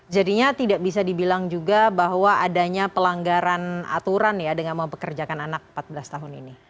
jadinya tidak bisa dibilang juga bahwa adanya pelanggaran aturan ya dengan mempekerjakan anak empat belas tahun ini